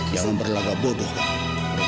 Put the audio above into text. jangan berlagak bodoh kak